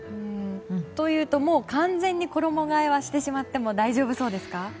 というと、もう完全に衣替えはしてしまっても大丈夫そうですか？